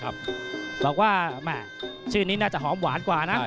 บอกว่าแม่ชื่อนี้น่าจะหอมหวานกว่านะ